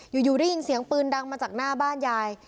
อยู่ได้ยินเสียงปืนดังมาจากหน้าบ้านยาย